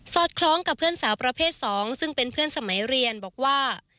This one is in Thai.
คล้องกับเพื่อนสาวประเภท๒ซึ่งเป็นเพื่อนสมัยเรียนบอกว่า